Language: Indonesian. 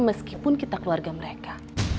meskipun kita keluarga mereka